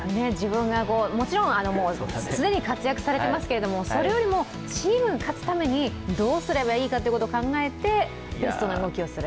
もちろん既に活躍されていますけれども、それよりもチームが勝つためにどうすればいいかということを考えてベストな動きをする。